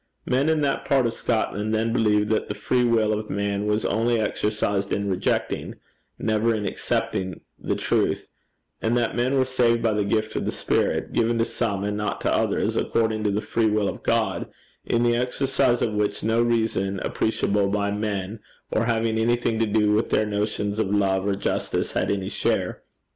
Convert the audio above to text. Men in that part of Scotland then believed that the free will of man was only exercised in rejecting never in accepting the truth; and that men were saved by the gift of the Spirit, given to some and not to others, according to the free will of God, in the exercise of which no reason appreciable by men, or having anything to do with their notions of love or justice, had any share.